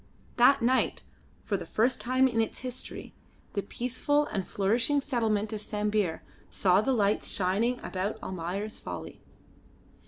That night for the first time in its history the peaceful and flourishing settlement of Sambir saw the lights shining about "Almayer's Folly."